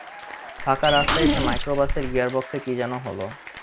ফাঁকা রাস্তায় এসে মাইক্রোবাসের গিয়ারবক্সে কী যেন হল।